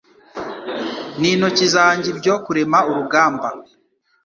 n’intoki zanjye ibyo kurema urugamba